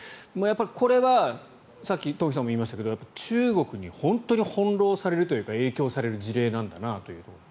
これはさっき東輝さんも言いましたけど中国に本当に翻ろうされるというか影響される事例なんだなというところです。